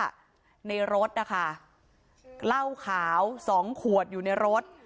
ว่าในรถล่าวขาว๒ขวดอยู่ในรถ